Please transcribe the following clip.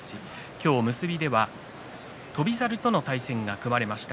今日、結びでは翔猿との対戦が組まれました。